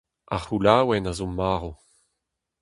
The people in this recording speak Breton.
Ar c'houlaouenn a zo marv.